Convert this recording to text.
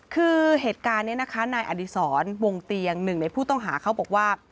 คือเหตุการณ์นี้นะคะนายอดีศรวงเตียงหนึ่งในผู้ต้องหาเขาบอกว่า